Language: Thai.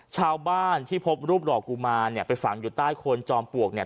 ชาวบ้านที่พบรูปหล่อกุมารเนี่ยไปฝังอยู่ใต้โคนจอมปลวกเนี่ย